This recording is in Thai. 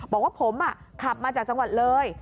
บอกว่าผมขับมาจากจังหวัดเลย